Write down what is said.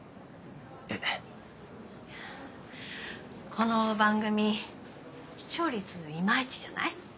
この番組視聴率いまいちじゃない。